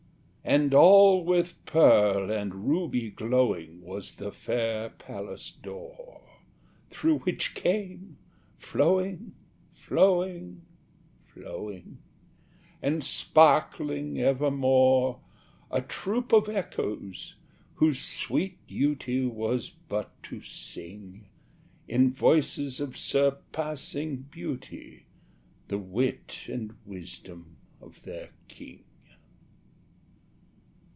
And all with pearl and ruby glowing Was the fair palace door, Through which came flowing, flowing, flowing, And sparkling evermore, A troop of Echoes, whose sweet duty Was but to sing, In voices of surpassing beauty, The wit and wisdom of their king.